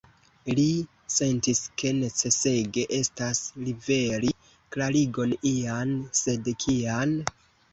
Li sentis, ke necesege estas liveri klarigon ian; sed kian?